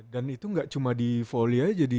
dan itu gak cuma di foli aja